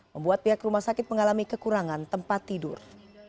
membuat pihak rumah sakit mengalami kekurangan tempat tidur